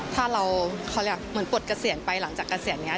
ถ้าเราเหมือนปวดเกษียณไปหลังจากเกษียณนี้